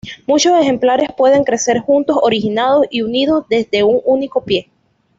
Muchos ejemplares pueden crecer juntos, originados y unidos desde un único pie.